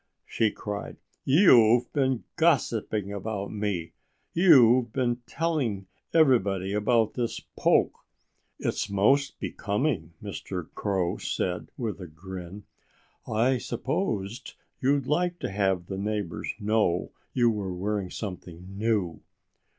she cried. "You've been gossiping about me. You've been telling everybody about this poke." "It's most becoming," Mr. Crow said with a grin. "I supposed you'd like to have the neighbors know you were wearing something new."